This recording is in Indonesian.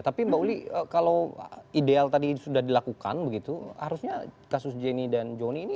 tapi mbak uli kalau ideal tadi sudah dilakukan begitu harusnya kasus jenny dan johnny ini